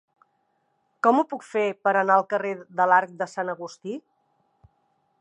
Com ho puc fer per anar al carrer de l'Arc de Sant Agustí?